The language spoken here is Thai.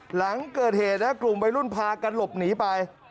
หลังเกิดเหตุนะกลุ่มวัยรุ่นพากันหลบหนีไป